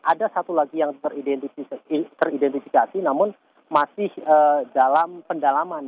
ada satu lagi yang teridentifikasi namun masih dalam pendalaman